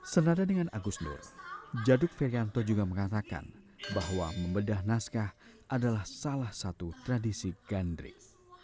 senada dengan agus nur jaduk ferianto juga mengatakan bahwa membedah naskah adalah salah satu tradisi gandrik